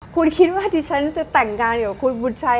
คุณคิดว่าที่ฉันจะแต่งงานกับคุณบุญชัย